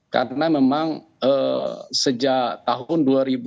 karena memang sejak tahun dua ribu dua puluh dua